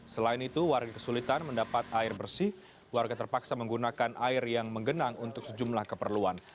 selain itu warga kesulitan mendapat air bersih warga terpaksa menggunakan air yang menggenang untuk sejumlah keperluan